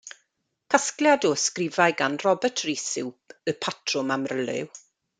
Casgliad o ysgrifau gan Robert Rhys yw Y Patrwm Amryliw.